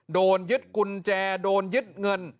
โดนยึดกุญแจโดนยึดเงิน